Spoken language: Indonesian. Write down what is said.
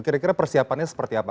kira kira persiapannya seperti apa